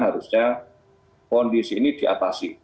harusnya kondisi ini diatasi